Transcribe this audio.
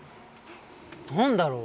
何だろう。